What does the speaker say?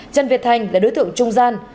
trần việt thành là đối tượng trung gian